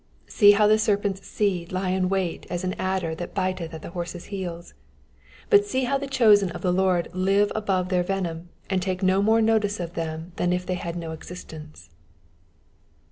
See how the serpent^s seed lie in wait as an adder that biteth at the horse's heels ; but see how the chosen of the Lord live above their venom, and take no more notice of them than if they had no existence.